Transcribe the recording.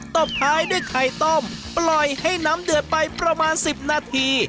ตบท้ายด้วยไข่ต้มปล่อยให้น้ำเดือดไปประมาณ๑๐นาที